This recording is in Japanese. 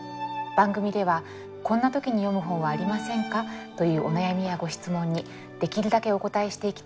番組では「こんな時に読む本はありませんか？」というお悩みやご質問にできるだけお応えしていきたいと思います。